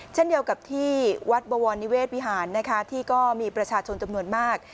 เช่นเดียวกับที่วัดบวรนิเวศวิหารนะคะที่ก็มีประชาชนจำนวนมาก